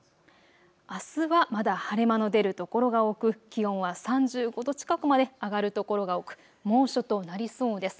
あすはまだ晴れ間の出る所が多く気温は３５度近くまで上がる所が多く猛暑となりそうです。